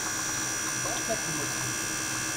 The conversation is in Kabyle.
Berka-ken aseglef!